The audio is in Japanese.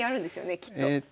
きっと。